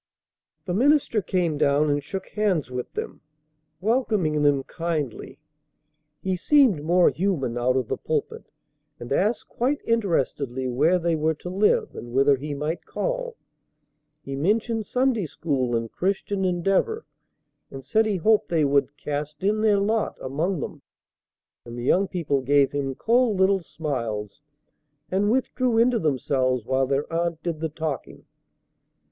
The minister came down and shook hands with them, welcoming them kindly. He seemed more human out of the pulpit, and asked quite interestedly where they were to live and whether he might call. He mentioned Sunday school and Christian Endeavor, and said he hoped they would "cast in their lot" among them; and the young people gave him cold little smiles and withdrew into themselves while their aunt did the talking.